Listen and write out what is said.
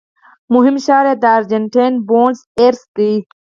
مهم ښار یې د ارجنټاین بونس ایرس دی.